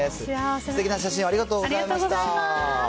すてきな写真をありがとうございました。